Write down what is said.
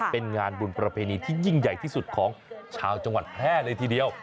เป็นงานบุญประเพณีที่ยิ่งใหญ่ที่สุดของชาวจังหวัดแพร่เลยทีเดียว